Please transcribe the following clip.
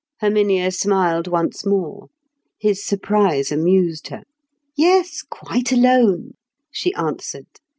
Herminia smiled once more; his surprise amused her. "Yes, quite alone," she answered.